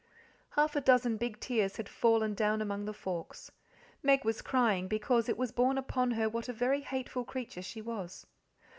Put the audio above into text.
Half a dozen big tears had fallen down among the forks. Meg was crying because it was borne upon her what a very hateful creature she was.